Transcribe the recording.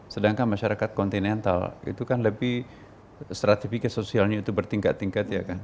sedangkan masyarakat kontinental itu kan lebih stratifikat sosialnya itu bertingkat tingkat ya kan